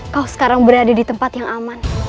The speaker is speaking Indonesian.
kau sekarang berada di tempat yang aman